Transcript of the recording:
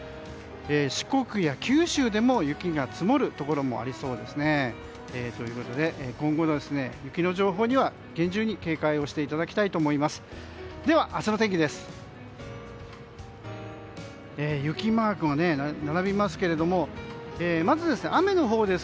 四国や九州でも雪が積もるところありそうですね。ということで今後雪の情報には厳重に警戒していただきたいと思います。